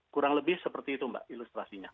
kurang lebih seperti itu mbak ilustrasinya